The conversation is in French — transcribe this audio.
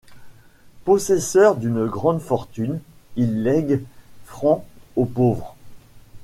Possesseur d'une grande fortune, il légue francs aux pauvres.